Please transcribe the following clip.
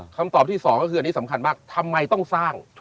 คำตอบที่๒ก็คืออันนี้สำคัญมากทำไมต้องสร้าง